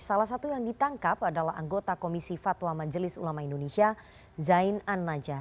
salah satu yang ditangkap adalah anggota komisi fatwa majelis ulama indonesia zain an najah